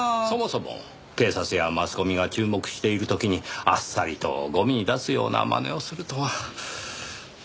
そもそも警察やマスコミが注目している時にあっさりとゴミに出すようなまねをするとは。